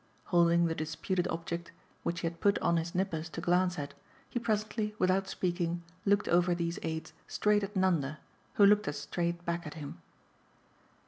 Holding the disputed object, which he had put on his nippers to glance at, he presently, without speaking, looked over these aids straight at Nanda, who looked as straight back at him.